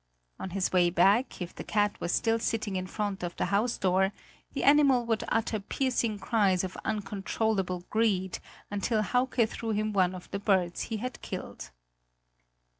On his way back, if the cat was still sitting in front of the house door, the animal would utter piercing cries of uncontrollable greed until Hauke threw him one of the birds he had killed.